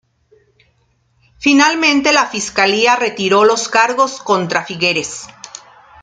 Finalmente la Fiscalía retiró los cargos contra Figueres.